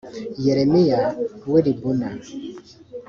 yeremiya w i libuna